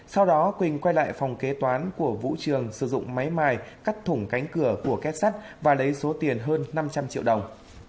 sau đó quỳnh quay lại phòng kế toán của vũ trường sử dụng máy mài cắt thủng cánh cửa của kết sắt và lấy số tiền hơn năm trăm linh triệu đồng